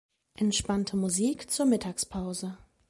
Entspannte Musik zur Mittagspause.